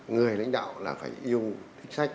người lãnh đạo là phải yêu thích sách